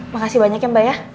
makasih banyak ya mbak ya